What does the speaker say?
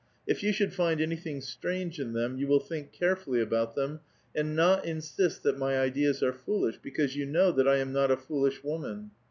If you should find any thing strange in them, you will think carefully about them, and not insist that my ideas are foolish, because you know tliat I am not a foolish woman.